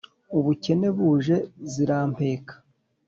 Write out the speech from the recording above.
Ubukene buje zirampeka